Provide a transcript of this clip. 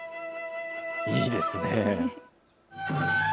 いいですね。